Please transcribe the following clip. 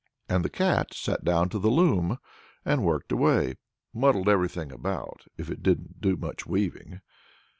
And the Cat sat down to the loom, and worked away; muddled everything about, if it didn't do much weaving.